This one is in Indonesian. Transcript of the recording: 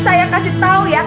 saya kasih tau ya